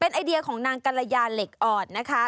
ไอเดียของนางกัลยาเหล็กออดนะคะ